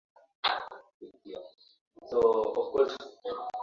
Kapunju anasema kuwa mwanzo wa Vita ya Majimaji huko Umatumbini ilikuwa ni mwendelezo